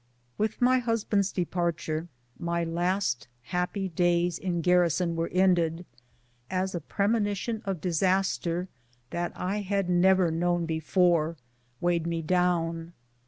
With my husband's departure my last happy days in garrison were ended, as a premonition of disaster that I had never known before weighed me down.